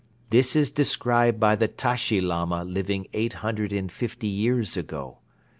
This is described by the Tashi Lama living eight hundred and fifty years ago.